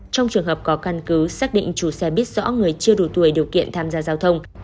trong trường hợp có căn cứ xác định chủ xe biết rõ người chưa đủ tuổi điều kiện tham gia giao thông